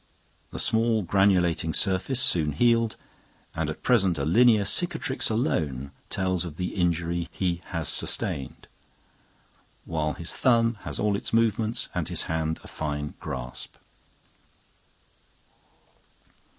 The small granulating surface soon healed, and at present a linear cicatrix alone tells of the injury he has sustained, while his thumb has all its movements and his hand a fine grasp.